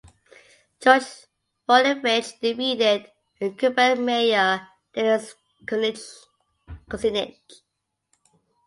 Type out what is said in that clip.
George Voinovich defeated incumbent mayor Dennis Kucinich.